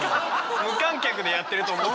無観客でやってると思った。